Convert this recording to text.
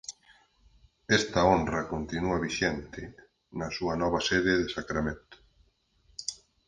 Esta honra continua vixente na súa nova sede de Sacramento.